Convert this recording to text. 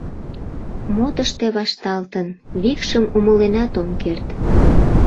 Мо тыште вашталтын — викшым умыленат ок керт.